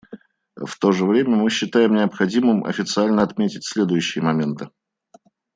В то же время мы считаем необходимым официально отметить следующие моменты.